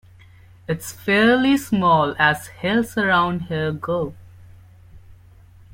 It's fairly small as hills around here go.